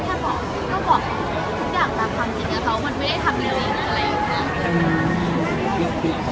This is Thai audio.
อะไรประมาณนี้ก็คงไม่มีแม่คนไหนอยากจะให้ดรรว่า